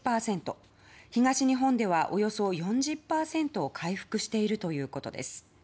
東日本ではおよそ４０％回復しているということです。